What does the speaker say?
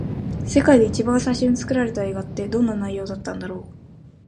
世界で一番最初に作られた映画って、どんな内容だったんだろう。